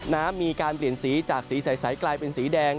น้ำมีการเปลี่ยนสีจากสีใสกลายเป็นสีแดง